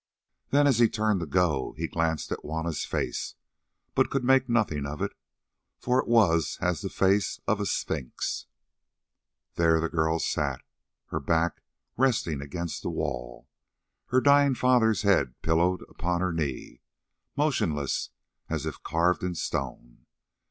Then, as he turned to go, he glanced at Juanna's face, but could make nothing of it, for it was as the face of a sphinx. There the girl sat, her back resting against the wall, her dying father's head pillowed upon her knee, motionless as if carved in stone.